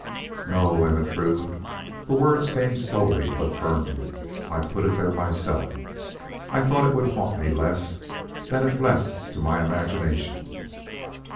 "No, Ermentrude." The words came slowly but firmly. "I put it there myself. I thought it would haunt me less than if left to my imagination."